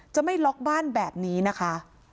จะไม่ล็อกบ้านแบบนี้นะคะ